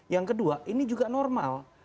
yang kedua ini juga normal